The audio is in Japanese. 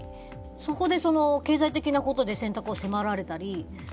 そこで経済的なことで選択を迫られたり。